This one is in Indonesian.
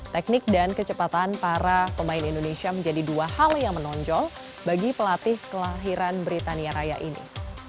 teknik dan kecepatan para pemain indonesia menjadi dua hal yang menonjol bagi pelatih kelahiran britania raya ini